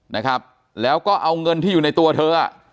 นะครับแล้วก็เอาเงินที่อยู่ในตัวเธอ